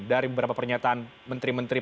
dari beberapa pernyataan menteri menteri